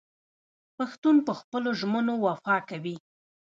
پښتون په خپلو ژمنو وفا کوي.